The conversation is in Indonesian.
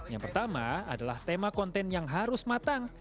yang pertama adalah tema konten yang harus matang